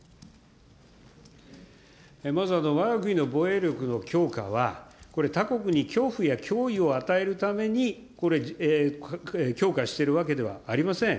まず、わが国の防衛力の強化は、これ、他国に恐怖や脅威を与えるために、これ、強化しているわけではありません。